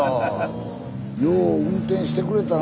スタジオよう運転してくれたな